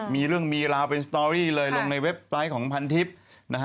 มีเรื่องมีราวเป็นสตอรี่เลยลงในเว็บไซต์ของพันทิพย์นะฮะ